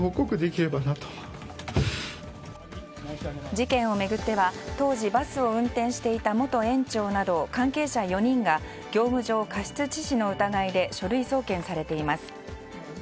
事件を巡っては当時バスを運転していた元園長など関係者４人が業務上過失致死の疑いで書類送検されています。